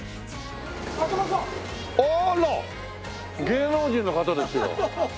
芸能人の方ですよ。